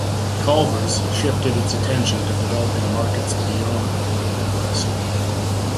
Culver's shifted its attention to developing markets beyond the Midwest.